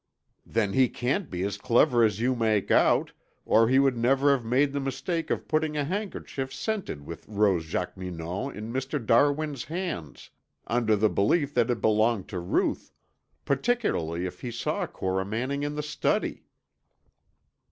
"Then he can't be as clever as you make out, or he would never have made the mistake of putting a handkerchief scented with rose jacqueminot in Mr. Darwin's hands, under the belief that it belonged to Ruth, particularly if he saw Cora Manning in the study."